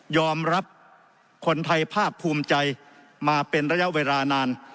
รับคนไทยภาคภูมิใจมาเป็นระยะเวลานาน